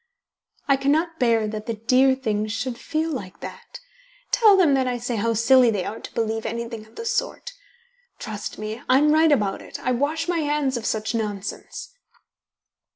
I cannot bear that the dear things should feel like that. Tell them that I say how silly they are to believe anything of the sort. Trust me, I am right about it. I wash my hands of such nonsense."